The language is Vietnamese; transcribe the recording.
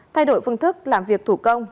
thay đổi phương thức làm việc thủ công